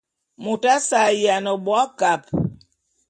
Mot asse a’ayiana bo akab.